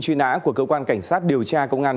truy nã của cơ quan cảnh sát điều tra công an